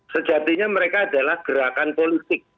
sejatinya mereka adalah gerakan politik